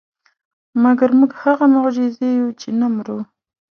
مګر موږ هغه معجزې یو چې نه مرو.